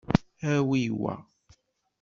Awi wa.